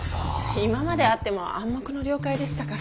今まであっても暗黙の了解でしたから。